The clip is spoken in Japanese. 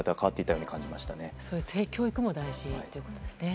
そういう性教育も大事ということですね。